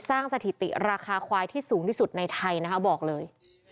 สร้างสถิติราคาควายที่สูงที่สุดในไทยบอกเลย